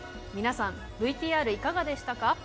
皆さん、ＶＴＲいかがでしたか。